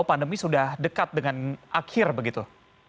pandemi sudah dekat dengan akhir begitu